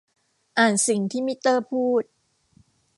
อ่านสิ่งที่มิเตอร์พูด